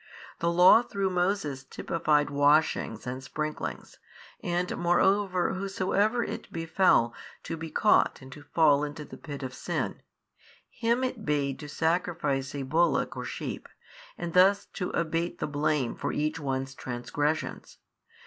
The Law through Moses typified washings and sprinklings, and moreover whosoever it befell to be caught and to fall into the pit of sin, him it bade to sacrifice a bullock or sheep and thus to abate the blame for each one's transgressions.